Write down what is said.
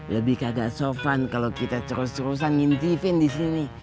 lebih kagak sopan kalau kita terus terusan ngintiven di sini